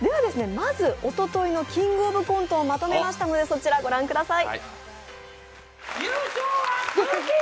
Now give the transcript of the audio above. まず、おとといの「キングオブコント」をまとめましたので、そちら御覧ください。